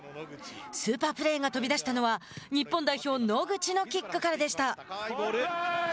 スーパープレーが飛び出したのは日本代表、野口のキックからでした。